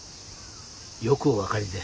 よくお分かりで。